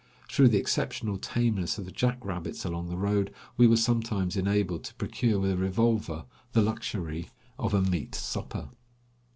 Through the exceptional tameness of the jack rabbits along the road, we were sometimes enabled to procure with a revolver the luxury of a meat supper.